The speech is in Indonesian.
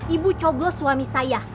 ibu coblos suami saya